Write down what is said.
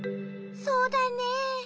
そうだね。